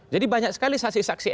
jadi banyak sekali saksi saksi